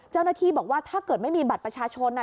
เจ้าหน้าที่บอกว่าถ้าเกิดไม่มีบัตรประชาชน